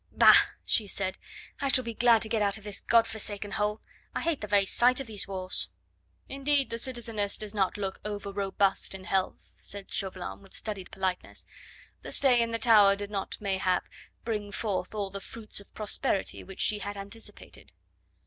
"Bah!" she said, "I shall be glad to get out of this God forsaken hole. I hate the very sight of these walls." "Indeed, the citizeness does not look over robust in health," said Chauvelin with studied politeness. "The stay in the tower did not, mayhap, bring forth all the fruits of prosperity which she had anticipated."